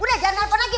udah jangan nelfon lagi